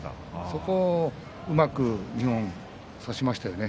そこをうまく二本差しましたよね。